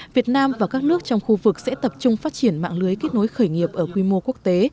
việt nam và các nước trong khu vực sẽ tập trung phát triển mạng lưới kết nối khởi nghiệp ở quy mô quốc tế